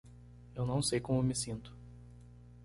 Eu não sei como me sinto